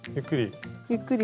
ゆっくり。